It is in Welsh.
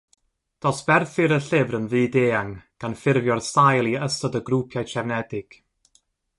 Dosberthir y llyfr yn fyd-eang, gan ffurfio'r sail i ystod o grwpiau trefnedig.